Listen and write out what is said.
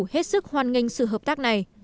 hết sức hoan nghênh sự hợp tác này